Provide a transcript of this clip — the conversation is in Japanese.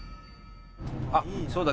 あっそうだ！